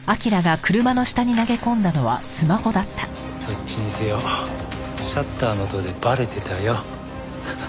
どっちにせよシャッターの音でバレてたよ。